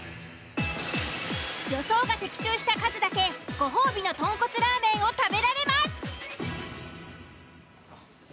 予想が的中した数だけご褒美の豚骨ラーメンを食べられます。